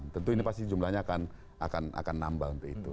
tentu ini pasti jumlahnya akan nambah untuk itu